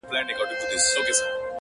پر ښايستوكو سترگو!